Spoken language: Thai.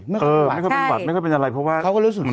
ไม่ควรเป็นปัญหาไม่ควรเป็นอะไรเพราะว่าเขาก็รู้สึกเซฟ